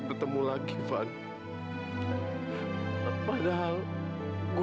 untuk mendatangi usia tinggi